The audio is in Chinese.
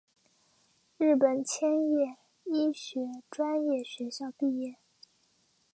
日本千叶医学专门学校毕业。